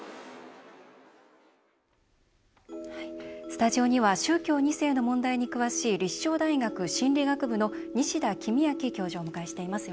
スタジオには宗教２世の問題に詳しい立正大学心理学部の西田公昭教授をお迎えしています。